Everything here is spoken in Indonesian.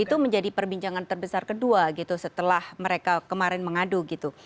itu menjadi perbincangan terbesar kedua gitu setelah mereka kemarin mengadu gitu